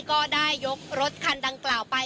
ก็ได้ยกรถคันดังกล่าวไป